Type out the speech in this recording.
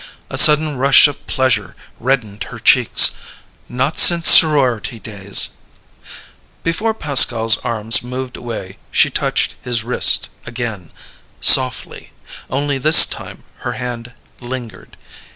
A sudden rush of pleasure reddened her cheeks. Not since sorority days ... Before Pascal's arms moved away she touched his wrist again, softly, only this time her hand lingered.